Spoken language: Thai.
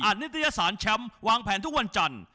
นิตยสารแชมป์วางแผนทุกวันจันทร์